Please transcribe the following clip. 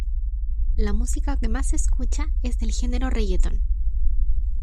La música que más se escucha es del género reggaeton.